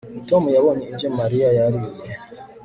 Tom yabonye ibyo Mariya yariye